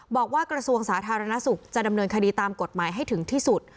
กระทรวงสาธารณสุขจะดำเนินคดีตามกฎหมายให้ถึงที่สุด